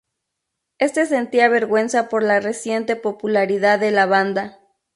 Este sentía vergüenza por la reciente popularidad de la banda.